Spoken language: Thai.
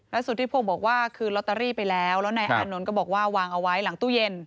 สุธิพงศ์บอกว่าคืนลอตเตอรี่ไปแล้วแล้วนายอานนท์ก็บอกว่าวางเอาไว้หลังตู้เย็น